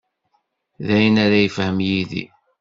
D ayen ara yefhem Yidir.